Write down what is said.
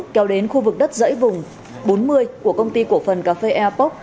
kéo đến khu vực đất dãy vùng bốn mươi của công ty cổ phần cà phê eapoc